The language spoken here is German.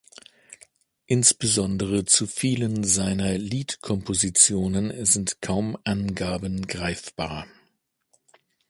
Insbesondere zu vielen seiner Liedkompositionen sind kaum Angaben greifbar.